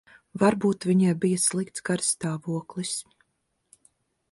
Varbūt viņai bija slikts garastāvoklis.